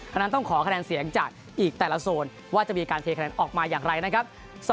ฉะนั้นต้องขอคะแนนเสียงจากอีกแต่ละโซนว่าจะมีการเทคะแนนออกมาอย่างไรนะครับ